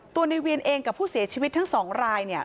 ในเวียนเองกับผู้เสียชีวิตทั้งสองรายเนี่ย